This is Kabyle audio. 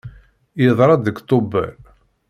Yeḍra-d deg Tubeṛ.